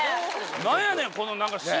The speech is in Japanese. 何やねんこの何か。